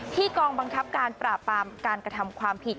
กองบังคับการปราบปรามการกระทำความผิด